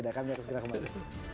kita akan segera kembali